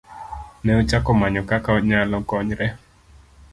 Ne ochako manyo kaka onyalo konyore.